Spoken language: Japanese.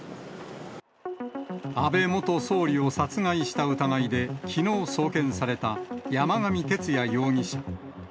安倍元総理を殺害した疑いで、きのう送検された山上徹也容疑者。